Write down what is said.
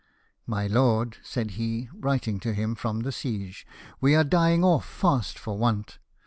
" My lord," said he, writing to him from the siege, " we are dying off fast for want.